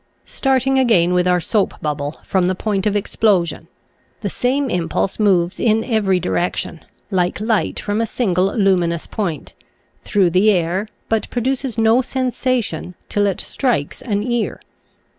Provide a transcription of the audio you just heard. Starting again with our soap bubble, from the point of explosion: the same impulse moves in every direction — like light from a single luminous point — through the air, but produces no sensation till it strikes an ear.